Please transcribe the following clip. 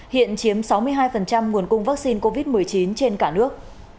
hiện chiếm sáu mươi hai nguồn cung vaccine covid một mươi chín trên cả nước